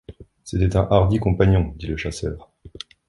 C’était un hardi compagnon, dit le chasseur.